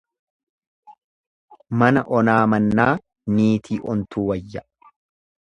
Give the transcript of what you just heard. Mana onaa mannaa niitii ontuu wayya.